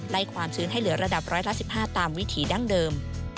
ไล่ความซื้นให้เหลือระดับ๑๑๕ตามวิถีดั้งเดิม